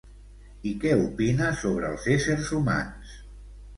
I què opina sobre els éssers humans?